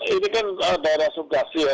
ini kan daerah sugasi ya